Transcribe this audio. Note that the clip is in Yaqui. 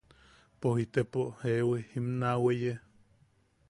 Poj inepo ¿jewi? im naa weye.